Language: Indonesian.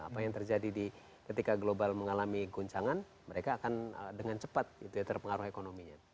apa yang terjadi ketika global mengalami guncangan mereka akan dengan cepat terpengaruh ekonominya